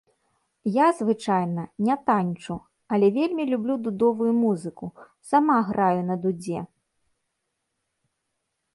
Я звычайна не таньчу, але вельмі люблю дудовую музыку, сама граю на дудзе.